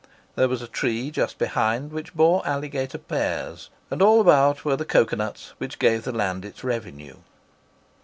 There was a tree just behind which bore alligator pears, and all about were the cocoa nuts which gave the land its revenue.